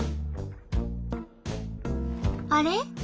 あれ？